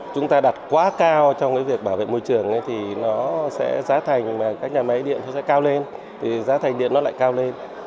chúng ta đặt quá cao trong cái việc bảo vệ môi trường thì nó sẽ giá thành mà các nhà máy điện nó sẽ cao lên thì giá thành điện nó lại cao lên